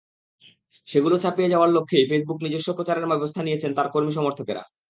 সেগুলো ছাপিয়ে যাওয়ার লক্ষ্যেই ফেসবুকে নিজস্ব প্রচারের ব্যবস্থা নিয়েছেন তাঁর কর্মী-সমর্থকেরা।